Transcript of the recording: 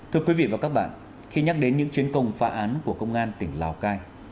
thưa quý vị và các bạn khi nhắc đến những chiến công phá án của công an tỉnh lào cai